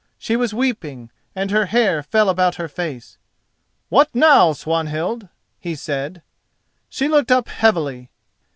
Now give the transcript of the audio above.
She was weeping, and her hair fell about her face. "What now, Swanhild?" he said. She looked up heavily.